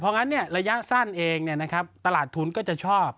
เพราะงั้นระยะสั้นเองตลาดทุนก็จะชอบ